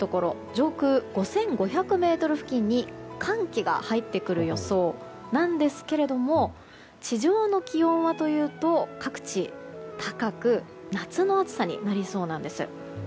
上空５５００ｍ付近に寒気が入ってくる予想ですが地上の気温はというと各地高く夏の暑さになりそうなんです。